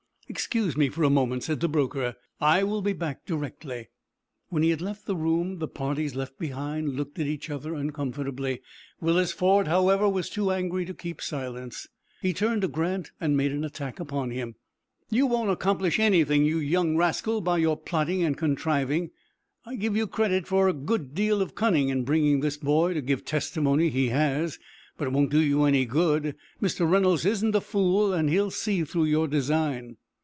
"Excuse me for a moment," said the broker. "I will be back directly." When he had left the room, the parties left behind looked at each other uncomfortably. Willis Ford, however, was too angry to keep silence. He turned to Grant, and made an attack upon him. "You won't accomplish anything, you young rascal, by your plotting and contriving! I give you credit for a good deal of cunning in bringing this boy to give the testimony he has; but it won't do you any good. Mr. Reynolds isn't a fool, and he will see through your design."